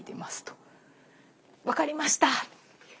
分かりました！